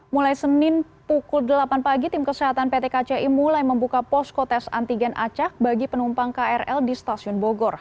mulai senin pukul delapan pagi tim kesehatan pt kci mulai membuka posko tes antigen acak bagi penumpang krl di stasiun bogor